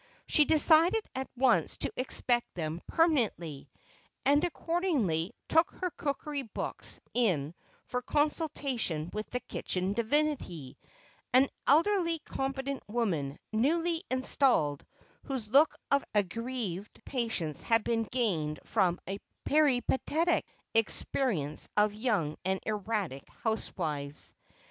She decided at once to expect them permanently, and accordingly took her cookery books in for consultation with the kitchen divinity, an elderly competent woman, newly installed, whose look of aggrieved patience had been gained from a peripatetic experience of young and erratic housewives.